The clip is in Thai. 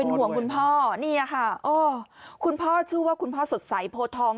ห่วงคุณพ่อนี่ค่ะโอ้คุณพ่อชื่อว่าคุณพ่อสดใสโพทอง